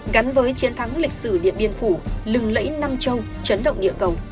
gắn với chiến thắng lịch sử điện biên phủ lừng lẫy nam châu chấn động địa cầu